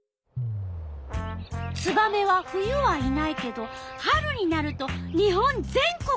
ツバメは冬はいないけど春になると日本全国にすがたをあらわす。